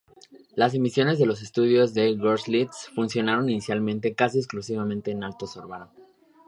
Las emisiones de los estudios de Görlitz funcionaron inicialmente casi exclusivamente en alto sorabo.